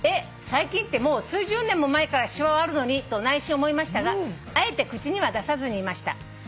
最近ってもう数十年も前からしわはあるのにと内心思いましたがあえて口には出さずにいました」